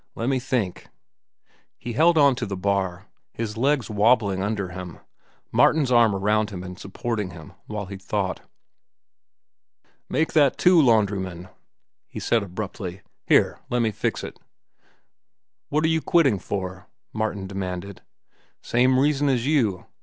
"Lemme think." He held on to the bar, his legs wobbling under him, Martin's arm around him and supporting him, while he thought. "Make that two laundrymen," he said abruptly. "Here, lemme fix it." "What are you quitting for?" Martin demanded. "Same reason as you."